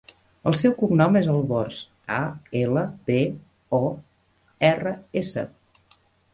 El seu cognom és Albors: a, ela, be, o, erra, essa.